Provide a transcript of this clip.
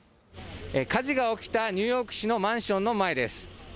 火事が起きたニューヨーク市のマンションの前です。